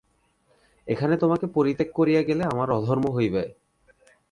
এখানে তোমাকে পরিত্যাগ করিয়া গেলে আমার অধর্ম হইবে।